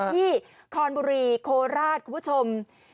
คอนบุรีโคราชคุณผู้ชม